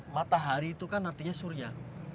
matahari itu kan artinya surya